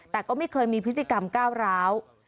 แต่ก็ไม่เคยมีพฤติกรรมก้าวร้าว